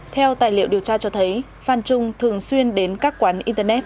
theo tài liệu điều tra cho thấy phan trung thường xuyên đến các quán internet